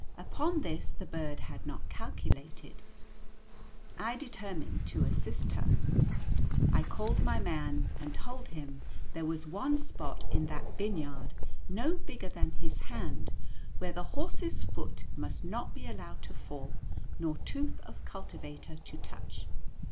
Upon this the bird had not calculated. I determined to assist her. I called my man, and told him there was one spot in that vineyard, no bigger than his hand, where the horse's foot must not be allowed to fall, nor tooth of cultivator to touch.